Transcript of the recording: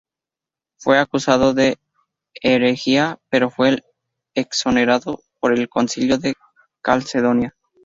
Fue acusado de herejía pero fue exonerado por el Concilio de Calcedonia.